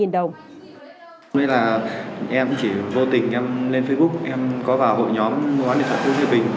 vì vậy là em chỉ vô tình em lên facebook em có vào hội nhóm mua bán điện thoại cũ thái bình